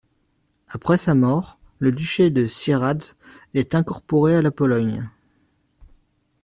Après sa mort, le duché de Sieradz est incorporé à la Pologne.